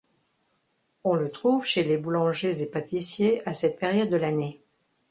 On le trouve chez les boulangers et pâtissiers à cette période de l'année.